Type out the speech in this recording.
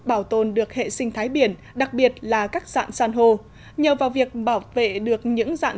bảo tồn được hệ sinh thái biển đặc biệt là các dạng san hô nhờ vào việc bảo vệ được những dạng